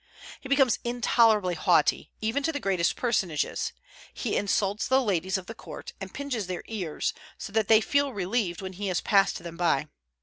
He becomes intolerably haughty, even to the greatest personages. He insults the ladies of the court, and pinches their ears, so that they feel relieved when he has passed them by.